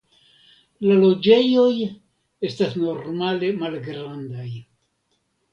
La loĝejoj estas normale malgrandaj.